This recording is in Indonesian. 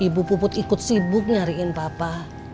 ibu puput ikut sibuk nyariin papa